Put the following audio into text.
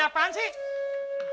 ada apaan sih